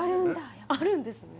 あるんですね